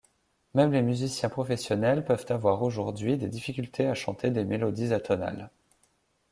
Même les musiciens professionnels peuvent avoir aujourd'hui des difficultés à chanter des mélodies atonales...